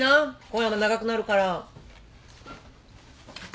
今夜も長くなるから。